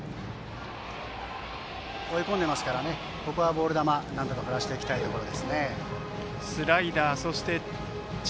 追い込んでいますからここはボール球を、なんとか振らせていきたいところ。